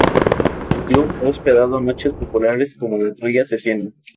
El club ha hospedado noches populares como "La Troya Asesina".